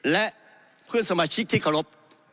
และเพื่อนสำหรับชิกที่ขอรพ